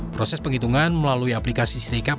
proses penghitungan melalui aplikasi srikap